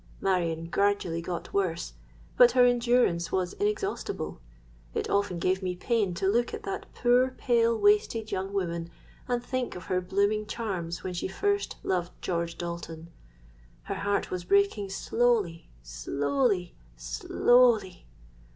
Marion gradually got worse; but her endurance was inexhaustible. It often gave me pain to look at that poor, pale, wasted young woman, and think of her blooming charms when she first loved George Dalton. Her heart was breaking slowly—slowly—slowly!